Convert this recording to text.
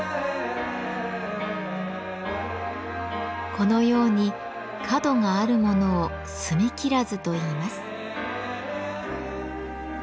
このように角があるものを「角切らず」といいます。